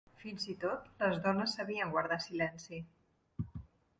Fins i tot les dones sabien guardar silenci.